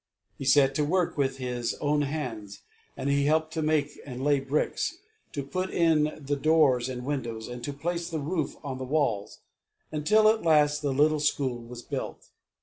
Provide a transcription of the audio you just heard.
He set to work with his own hands, and he helped to make and lay bricks, to put in the doors and windows, and to place the roof on the walls, until at last the little school was built.